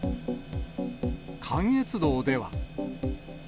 関越道では。